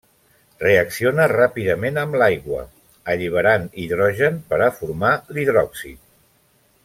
Reacciona ràpidament amb l'aigua, alliberant hidrogen per a formar l'hidròxid.